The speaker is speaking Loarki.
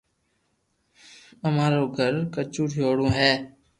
اما رو گھر ڪچو ٺيورو ھي